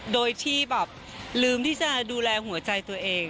โดยที่แบบลืมที่จะดูแลหัวใจตัวเอง